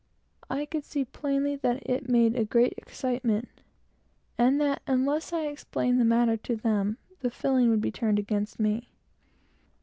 I could see plainly that it made a great excitement, and that, unless I explained the matter to them, the feeling would be turned against me.